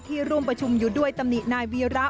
ร่วมประชุมอยู่ด้วยตำหนินายวีระ